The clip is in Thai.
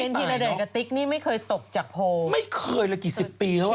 ธีรเดชกับติ๊กนี่ไม่เคยตกจากโพลไม่เคยเลยกี่สิบปีแล้ว